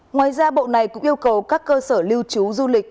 ngoài ra bộ này cũng yêu cầu các cơ sở lưu trú du lịch